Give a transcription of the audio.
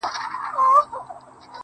د هغه ږغ د هر چا زړه خپلوي.